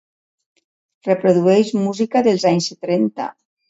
Reprodueix música dels anys trenta.